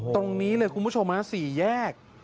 ตรงนี้เลยคุณผู้ชม๔แยก